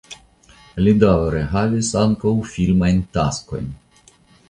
Li daŭre havis ankaŭ filmajn taskojn.